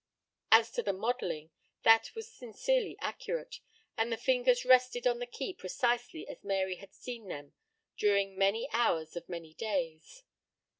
As to the modeling, that was sincerely accurate, and the fingers rested on the key precisely as Mary had seen them during many hours of many days.